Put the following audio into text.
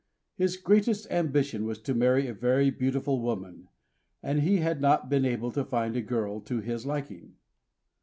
His greatest ambition was to marry a very beautiful woman; and he had not been able to find a girl to his liking.